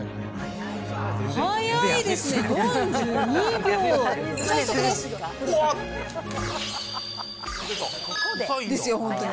速いですね、４２秒、最速です！ですよ、本当に。